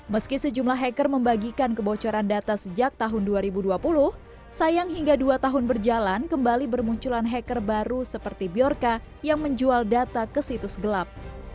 meski sejumlah hacker membagikan kebocoran data sejak tahun dua ribu dua puluh sayang hingga dua tahun berjalan kembali bermunculan hacker baru seperti bjorka yang menjual data ke situs gelap